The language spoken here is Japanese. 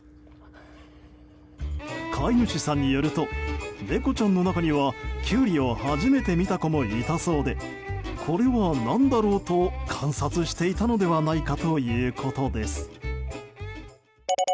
飼い主さんによると猫ちゃんの中にはキュウリを初めて見た子もいたそうでこれは何だろうと観察していたのではないかということです。